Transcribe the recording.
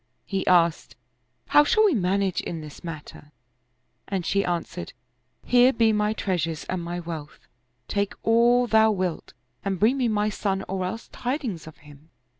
He asked, " How shall we manage in this matter? " and she answered, " Here be my treasures and my wealth : take all thou wilt and bring me my son or else tidings of him."